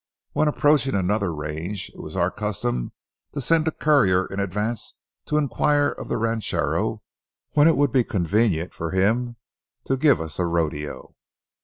When approaching another range, it was our custom to send a courier in advance to inquire of the ranchero when it would be convenient for him to give us a rodeo.